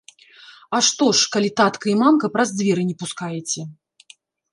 А што ж, калі татка і мамка праз дзверы не пускаеце.